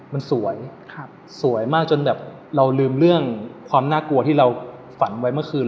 มันสวยสวยมากจนแบบเราลืมเรื่องความน่ากลัวที่เราฝันไว้เมื่อคืน